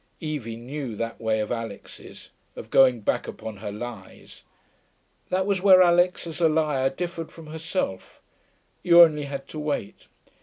Evie knew that way of Alix's, of going back upon her lies; that was where Alix as a liar differed from herself; you only had to wait.